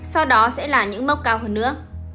sau đó sẽ là những mốc cao hơn nữa